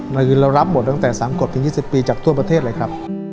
เราคือเรารับหมดตั้งแต่๓กฎถึง๒๐ปีจากทั่วประเทศเลยครับ